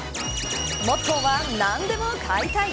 モットーは、何でも買いたい。